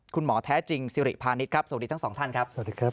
คุณหมอแท้จริงศิริพานิทครับสวัสดีทั้งสองท่านครับ